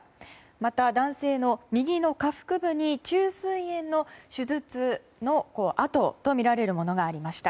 また、男性の右の下腹部に虫垂炎の手術の痕とみられるものがありました。